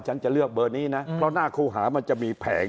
จะเลือกเบอร์นี้นะเพราะหน้าครูหามันจะมีแผง